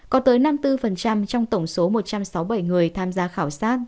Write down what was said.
có tới năm mươi bốn trong tổng số một trăm sáu mươi bảy người tham gia khảo sát